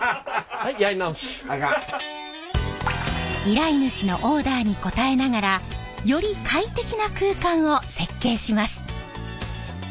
依頼主のオーダーに応えながらより快適な空間を設計します。